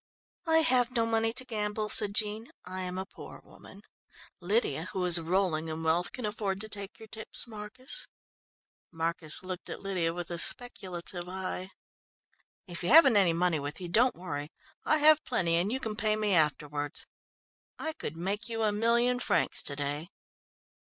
"I have no money to gamble," said Jean, "I am a poor woman. Lydia, who is rolling in wealth, can afford to take your tips, Marcus." Marcus looked at Lydia with a speculative eye. "If you haven't any money with you, don't worry. I have plenty and you can pay me afterwards. I could make you a million francs to day."